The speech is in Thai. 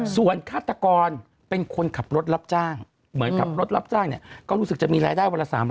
ส่วนฆาตกรเป็นคนกลับรถรับจะก็รู้สึกจะมีรายได้วันละ